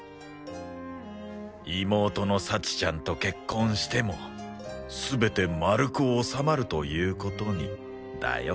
妹の幸ちゃんと結婚しても全て丸く収まるという事にだよ。